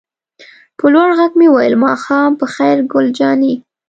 په لوړ غږ مې وویل: ماښام په خیر ګل جانې.